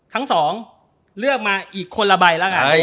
ทั้งสองเลือกมาอีกคนละใบ